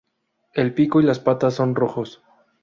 El pico y las patas son rojos.